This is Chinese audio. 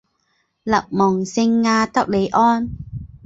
勒蒙圣阿德里安。